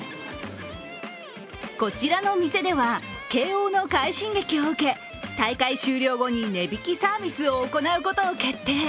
こちらのお店では慶応の快進撃を受け、大会試合後に値引きセールを行うことを決定。